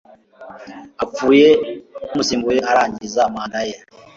apfuye umusimbuye arangiza manda ye